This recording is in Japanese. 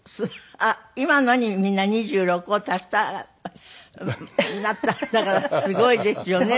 今のにみんな２６を足したらなったんだからすごいですよね